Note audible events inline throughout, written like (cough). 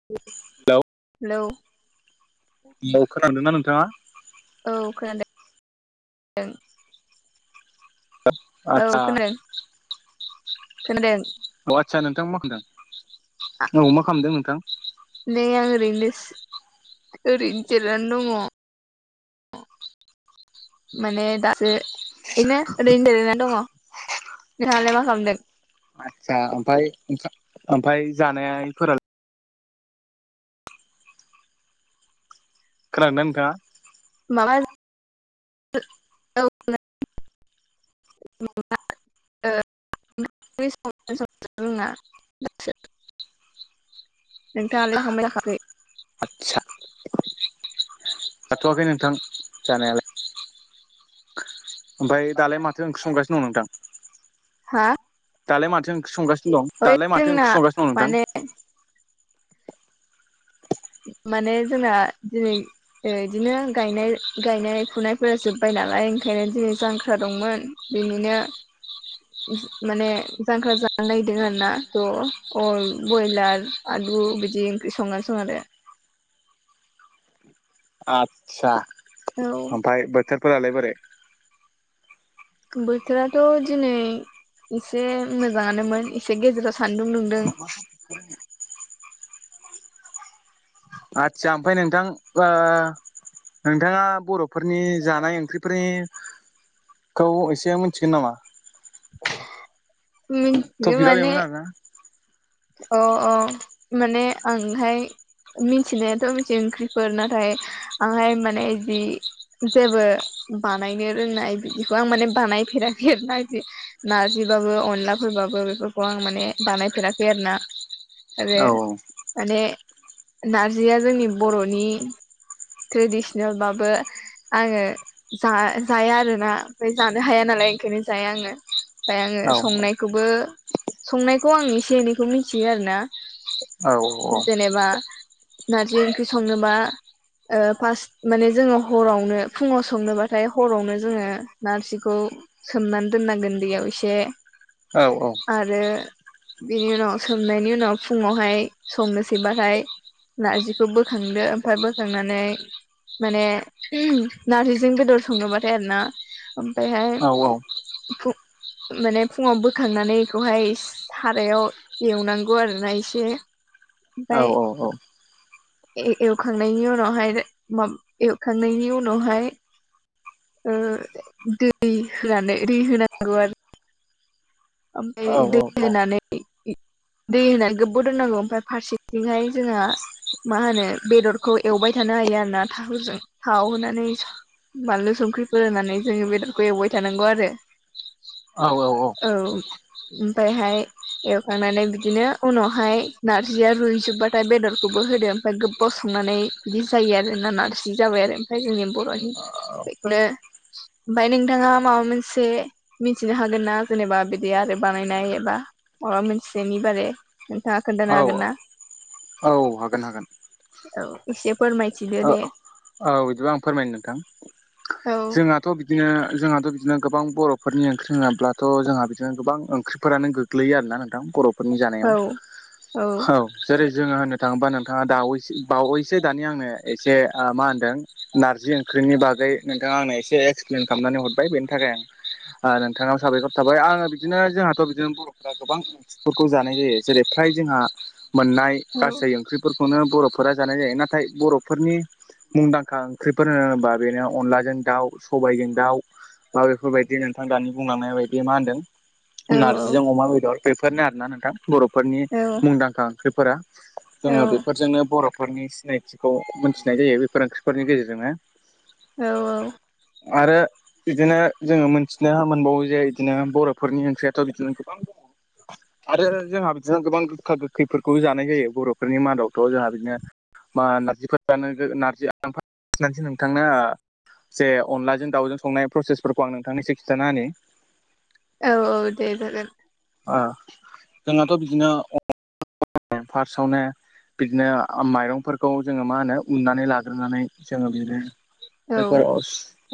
(unintelligible) Hello हेल' खोनादोंना नोंथाङा? औ खोनादों। (unintelligible) औ खोनादों खोनादों। औ आदसा नोंथां मा खालामदों औ मा खालामदों नोंथां? नै आं ओरैनो ओरैनो जिरायना दङ। माने दासो इनो ओरै दनानै दङ। नोंथाङालाय मा खालामदों? आदसा ओमफ्राय ओमफ्राय जानायफोराल? खोनादोंदोंना नोंथाङा? (unintelligible) (unintelligible) (inaudible) नोंथाङाललाय जाखांबायना जाखाङाखै? आदसा जाथ'वाखै नोंथां जानायालाय ओमफ्राय दालाय माथो ओंख्रि संगासिनो दं नोंथां? हा दालाय माथो ओंख्रि संगासिनो दं ओइ दालाय माथो जोंना ओंख्रि संगासिनो दं माने नोंथां? माने जोंना दिनै बिदिनो गायनाय फुनायफोरा जोब्बाय नालाय ओंखायनो दिनै जांख्रा दंमोन। बेनिनो (inaudible) माने जांख्रा जान नायदों आरोना थ' अय बयलार आलु बिदि ओंख्रि संनानै सं आरो आस्सा आरो औ ओमफफ्राय बोथोरफोरालाय बोरै बोथोराथ' दिनै एसे मोजाङानोमोन एसे गेजेराव सान्दुं दुंदों आदसा ओमफफ्राय नोंथां नोंथाङा बर' फोरफोरनि जानाय ओंख्रिनिखौ एसे मिथिगोन नामा बि टपिकआ माने बेमोन आरोना अ अ माने आंहाय मिथिनायाथ' मिथि ओंख्रिफोर नाथाय आंहाय माने जि जेबो बानायनो रोंनाय बिदिखौ आं माने बानायफेराखै आरो नाखि आदि नार्जिबाबो अनलाफोरबाबो बेफोरखौ आं माने बानायफेराखै बेनाा आ औ माने नारजिया जोंनि बर'नि ट्रेडिसनेलबाबो आङो जा जाया आरोना ओमफ्राय जानो हाया नालाय ओंखायनो जाया आङो ओमफ्राय आङो औ संनायखौबो संनायखौ आं एसे एनैखौ मिथियो आरोना औ जेनेबा नारजि ओंख्रि संबा फार्स्ट माने जोङो हरावनो फुङाव संनोबाथाय हरावनो जोङो नारजिखौ सोमनानै दोननांगोन दैयाव इसे औ औ आरो बेनि उनाव सोमनायनि उनाव फुङावहाय संनोसैबाहाय नारजिखौ बोखांदो ओमफ्राय बोखांनानै माने नारजिजों गोदर सङोबाथाय आरोना ओमायहाय औ औ माने फुङाव बोखांनानै बेखौहाय सारायाव एवनांगौ आरोोना एसे औ ओमफ्राय औ औ एवखांनायनि उनावहाय म एवखांनायनि उनावहाय दै होनानै दै होनांगौ आरो ओमफ्राय दनानै दै होनानै गो्बाव दोननांगौ ओमफ्राय फारसेथिंहाय जोंहा मा होनो बेदरखौ एवबाय थानो हायो आरो ना थावजों थावहोनानै बानलु संख्रिफोर होनानै जोङो बेदरखौ एवबाय थानांगौ आरो औ ओमफायहाय एवखांनानै बिदिनो उनावहाय नारजिया रुइजोबबाथाय बेदरखौबो होदो ओमफाय गोबाव संनानै बिदि जायो आरो ना नारजि जाबाय आरो ओमफाय जोंनि बर' हि बेखौनो ओमफाय नोंथाङा माबा मोनसे मिथिनो हागोन ना जेनेबा बे बे आरो बानायनाय एबा माबा मोनसेनि बारै नोंथाङा खोन्थानो हागोन ना औ हागोन हागोन औ एसे फोरमायथिदो ओ दे औ इदिबा आं फोरमायनो नोंथां औ जोंहा थ' बिदिनो जोंहाथ' बिदिनो गोबां बर'फोरनि ओंख्रि नङाब्लाथ' जोंहा बिदिनो गोबां ओंख्रिफोरानो गोगग गोग्लैयो आरोना नोंथां बर'फोरनि औ जानायाव औ जेरै जोङो होननो थाङोबा नोंथाङा दावैसो बावैसो दानि आंनो एसे ओ मा होनदों नारजिं ख्र्रिंनि बागै नोंथाङा आंनो एसे एक्सप्लेन खामनानै हरबाय बेनि थाखाय आं ओ नोंथांनाव साबायखर थाबाय आङो बिदिनो जोंहाथ' बिदिनो बर' गोबां ओंख्रिफोरखौ जानाय जायो जेरै फ्राय जोंहा मोननाय औ गासै ओंख्रि फोरखौनो बर'फोरा जानाय जायो नाथाय बर'फोरनि मुंदांखा खांख्रिफोर होन होनोबा बेनो अनलाजों दाउ सबायजों दाउ दा बेफोरबायदि नोंथां दानि बुंलांनाय बायदि मा औ होन्दों नारजिजों अमा बेदर बेफोरनो आरो ना नोंथां बर'फोरनि मुंदांखा ओंख्रिफोरा औ जोङो बेफोरजोंनो बर'फोरनि सिनायथिखौ मोनथिनाय जायो बेफोर ओंख्रिफोरनि गेजेरजोंनो औ आरो बिदिनो जोङो मोनथिनो मोनबावो जे इदिनो बर'फोरनि ओंख्रियाथ' बिदिनो गोबां। आरो जोंहा बिदिनो गोबां गोगखा गोगखै खैफोरखौ जानाय जायो बर'फोरनि मादावथ' जोंहा बिदिनो बा नारजिफोर जानो ओ नारजि ओ आं फोदसो नोंथां नो जे अनलाजों दाउजों संनाय प्रसेसफोरखौ आं नोंथांनि एसे खिथानाहोनि औ औ दे जागोन ओ जोंहाथ' बिदिनो फार्स्टआवनो बिदिनो ओ माइरंफोरखौ जोङो मा होनो उननानै लाग्रोनानै जोङो बिदिनो औ बेफोर अस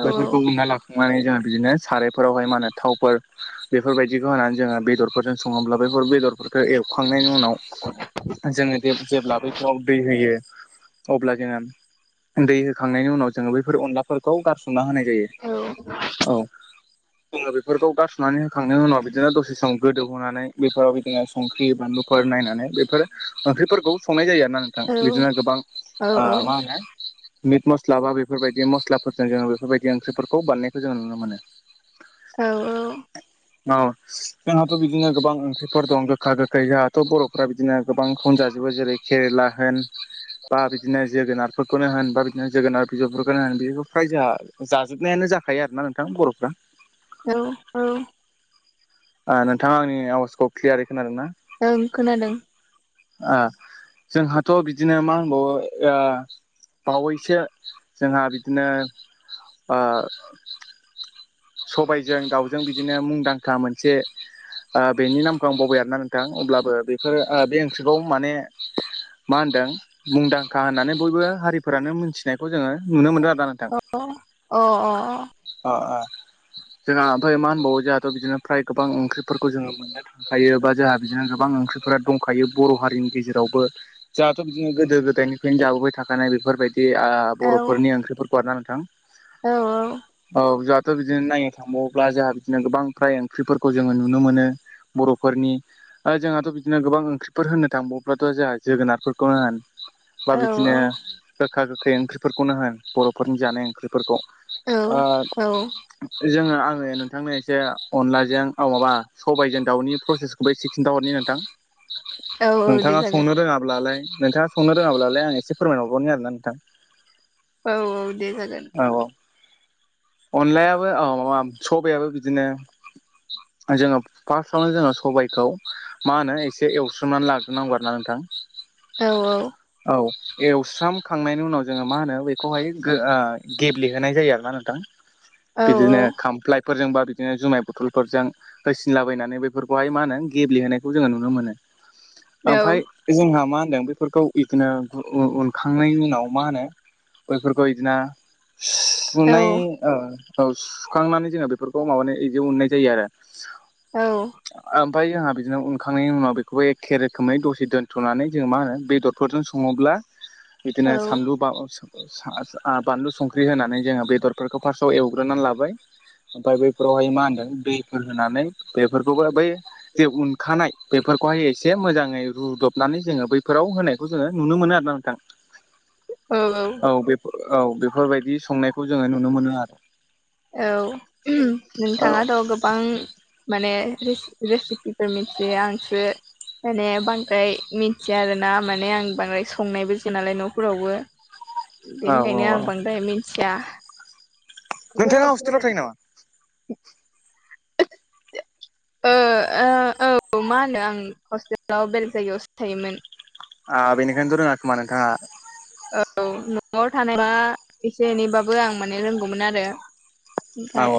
औ बेफोरखौ उन्ना ला नानै जोङो बिदिनो सारायफोरावहाय मा होनो थावफोर बेफोरबायदिखौ होनानै जोङो बेदर फोरजों सङोब्लाबो बा बेदरफोरखौ एवखांनायनि उनाव जोङो जेब्ला बैफोराव दै होयो अब्ला जोङो दै होखांनायनि उनाव जोङो बैफोर अनलाफोरखौ गारसोमना होनाय जायो औ जोङो बेफोरखौ गारस'नानै होखांनायनि उनाव बिदिनो दसे सम गोदौहोनानै बेफोराव बिदिनो संख्रि बानलुफोर नायनानै बेफोर ओंख्रिफोरखौ संनाय जायो आरो ना नोंथां। बिदिनो गोबां औ ओ औ मा होनो आ मिट मस्ला बा बेफोरबायदि मस्लाफोरजों जोङो बेफोरबायदि ओंख्रिफोरखौ बानायनायखौ जोङो नुनो मोनो (inaudible) औ औ औ जोंहाथ' बिदिनो गोबां ओंख्रिफोर दं गोखा गोखै जोंहाथ' बर' बिदिनो गोबांखौनो जाजोबो जेरै केरेला होन बा बिदिनो जोगोनारफोरखौनो होन बा बिदिनो जोगोनार बिजौफोरखौनो होन बेखौ फ्राय जा जाजोबनायानो जाखायो आर ना नोंथां बर'फ्रा औ औ ओ नोंथाङा आंनि आवाजखौ क्लियारै खोनादों ना? ओं खोनादों ओ जोंहाथ' बिदिनो मा होनबावो ओ बावैसो जोंहा बिदिनो ओ सबायजों दाउजों बिदिनो मुंदांखा मोनसे ओ बेनि नामखौ आं बबबाय आरोना नोंथां अब्लाबो बेफोर बे ओंख्रिखौ माने मा होन्दों मुंदांखा होननानै बयबो हारि फोरानो मोनथिनायखौ जोङो नुनो मोनदों आरोना नोंथां अ अ अ जोंहा ओमफ्राय मा होनबावो जोंहाथ' बिदिनो फ्राय गोबां ओंख्रिफोरखौ जोङो मोनो जायो बा जोंहा बिदिनो गोबां ओंख्रिफोरा दंखायो बर' हारिनि गेजेरावबो जाहाथ' जङो गोदो गोदायनिफ्रायनो जाबोबाय थाखानाय बेफोरबायदि ओ अ बर'फोरनि ओंख्रिफोरखौना नोंथां। औ औ औ जाहाथ' बिदिनो नायनो थांबावोब्ला जोंहा बिदिनो गोबां फ्राय ओंख्रिफोरखौ जोङो नुनो मोनो बर'फोरनि ओ जोंहाथ' बिदिनो गोबां ओंख्रिफोर होनो थांबावब्लाथ' जोंहा जोगोनारफोरखौ होन बा औ बिदिनो गोखा गोखै ओंख्रिफोरखौनो होन बर'फोरनि जानाय ओंख्रिफोरखौ औ ओ औ जोङो आङो नोंथांनो एसे अनलाजों माबा सबायाइजों दाव दावनि प्रसेसखौबो एसे खिन्था हरनि नोंथां औ दे नोंथाङा जागोन संनो रोङाब्लालाय नोंथाङा संनो रोङाब्लालाय आं एसे फोरमायहरगरनि आरोना नोंथां औ औ दे जागोन औ औ अनलायाबो औ माबा सबायाबो बिदिनो जोङो फार्स्टआवनो जोङो सबायाइखौ मा होनो एसे एवस्रोमनानै लाग्रोनांगौ आरोना नोंथां औ औ औ एवस्रामखांनायनि उनाव जोङो मा होनो बेखौहाय गो ओ गेब्ले होनाय जायो आरोना नोंथां। औ बिदिनो खामफ्लायफोरजोंबा बिदिनो जुमाय बथलफोरजों होसिनलाबायनानै बेफोरखौहाय मा होनो गेब्लेहोनायखौ जोङो नुनो मोनो। ओमफाय जोंहा मा होनदों बेफोरखौ बिदिनो उनखांनायनि उनाव मा होनो बैफोरखौ बिदिना सुनाय ओ औ सुखांनानै जोङो बेफोरखौ माबानाय बिदि उननाय जायो आरो। औ। ओमफ्राय जोंहा बिदिनो उनखांनायनि उनाव बेखौबो एखे रोखोमै दसे दोन्थ'नानै जों मा होनो बेदर फोरजों सङोब्ला औ बिदिनो सानलु बा सा आ बानलु संख्रि होनानै जोङो बेदरफोरखौ फार्स्टआव एव ग्रोनानै लाबाय ओमफाय बैफोरावहाय मा होनदों दैफोर होनानै बेफोरखौबो बै जे उनखानाय बेफोरखौहाय एसे मोजाङै रुदबनानै जोङो बैफोराव होनायखौ जोङो नुनो मोनो आरोना नोंथां। (inaudible) औ औ। औ बे औ बेफोरबायदि संनायखौ जोङो नुनो मोनो आरो। औ औ नोंथाङाथ' गोबां माने रेसि-रेसिपिफोर मिथियो आंसो माने बांद्राय मिथिया आरो ना माने आं बांद्राय संनायबो जाया नालाय न'फोरावबो। (inaudible) औ बेनिखायनो औ आं बांद्राय मिथिया। नोंथाङा हस्टेलाव थायो नामा? ओ ओ औ मा होनो आं हस्टेलाव बेलग जायगायावसो थायोमोन। आ बेनिखायनो थ' रोङा खोमा नोंथाङा। औ न'आव थानाय बा एसे एनैबाबो आं माने रोंगौमोन आरो। औ ओमफाय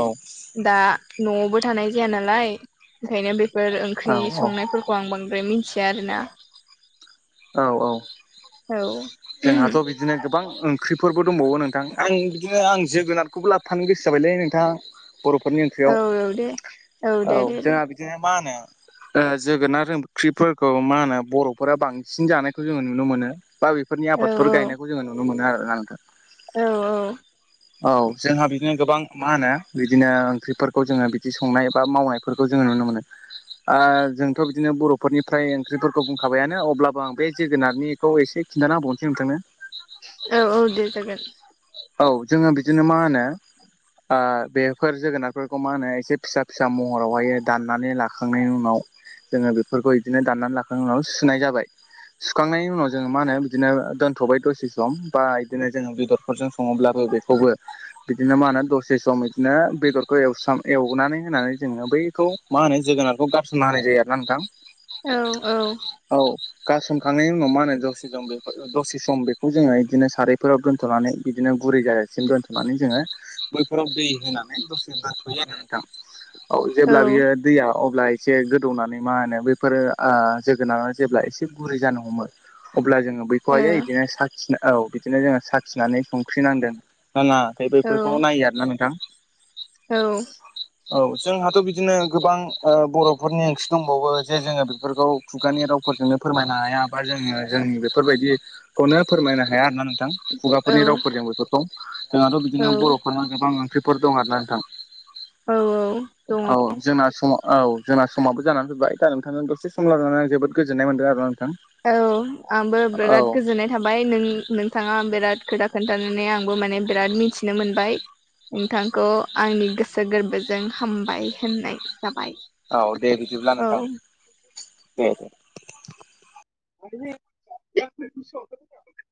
दा न'आवबो थानाय जाया नालाय ओंखायनो बे फोर औ ओंख्रि औ संनायफोरखौ आं बांद्राय मिथिया आरोना। औ औ। औ। जोंहाथ' बिदिनो गोबां ओंख्रिफोरबो दंबावो नोंथां आं बिदिनो आं जोगोनारखौबो लाबोफानो गो सो जाबायलै नोंथां बर'फोरनि ओंख्रियाव। औ औ दे औ दे दे दे जोंहा बिदिनो मा होनो ओ जोगोनार ओंख्रिफोरखौ मा होनो बर'फोरा बांसिन जानायखौ जोङो नुनो मोनो। बा बेफोरनि औ आबादफोर गायनायखौ जोङो नुनो मोनो आरोना नोंथां। औ औ। औ जोंहा बिदिनो गोबां मा होनो बिदिनो ओंख्रिफोरखौ जोङो बिदि संनाय बा मावनायफोरखौ जोङो नुनो मोनो। आ जों थ' बिदिनो बर'फोरनिफ्राय ओंख्रिफोरखौ बुंखाबायानो अब्लाबो आं बे जोगोनारनिखौ एसे खिन्थानाबावनोसै नोंथांनो। औ औ दे जागोन। औ जोङो बिदिनो मा होनो आ बेफोर जोगोनारफोरखौ मा होनो एसे फिसा फिसा महरावहाय दाननानै लाखांनायनि उनाव जोङो बेफोरखौ बिदिनो दाननानै लाखांनायनि उनाव सुनाय जाबाय सुखांनायनि उनाव जोङो मा होनो बिदिनो दोनथ'बाय दसे सम बा बिदिनो जोङो बेदरफोरजों सङोब्लाबो बेखौबो बिदिनो मा होनो दसे सम बिदिनो बेदरखौ एवस्र एवनानै होनानै जोङो बैखौ मा होनो जोगोनारखौ गारसनना होनाय जायो आरोना नोंथां। औ औ औ गारसन खांंनायनि उनाव मा होनो जौ जों बेफोर दसे सम बेखौ जोङो बिदिनो सारायफोराव दोन्थ'नानै बिदिनो गुरै जाजासिम दोनथ'नानै जोङो बैफोराव दै होनानै दसे दोनथ'यो आरो नोंथां। औ जेब्ला बियो दैया अब्ला एसे गोदौनानै मा होनो बेफोरो आ जोगोनाराव जेब्ला एसे गरै जानो हमो अब्ला जोङो बैखौहायो बिदिनो साखिना औ बिदिनो जोङो साखिनानै संख्रि नांदों ना नाङाखै बैफोरखौ नायो आर ना नोंथां। औ। औ जोंहाथ' बिदिनो गोबां ओ बर'फोरनि ओंख्रि दंबावो जे जोङो बेफोरखौ खुगानि रावफोरजोंनो फोरमायनो हाया बा जोङो जों बेफोरबायदि खौनो फोरमायनो हाया आरोना नोंथां औ खुगाफोरनि रावफोरजों बेफोरखौ जोंहाथ' बिदिनो बर'फोरनो गोबां ओंख्रिफोर दं आरोना नोंथां औ दङ औ जोंना सम औ जोंना समाबो जानानै फैबाय दा नोंथांनो दसे सम ला लानानै आं जोबोद गोजोननाय मोनदों आरो नोंथां औ आंबो औ बिराद गोजोननाय थाबाय नों नोंथाङा बिराद खोथा खोन्थानानै आंबो माने बिराद मिथिनो मोनबाय नोंथांखौ आंनि गोसो गोरबोजों हामबाय होननाय जाबाय औ दे बिदिब्ला औ नोंथां दे नयस